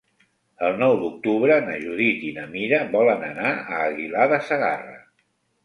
El nou d'octubre na Judit i na Mira volen anar a Aguilar de Segarra.